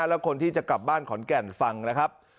แล้วคนที่จะกลับบ้านขอนแก่นฟังนะครับ